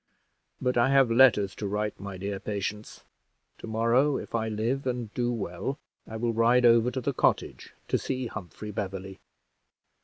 But I have letters to write, my dear Patience. To morrow, if I live and do well, I will ride over to the cottage to see Humphrey Beverley."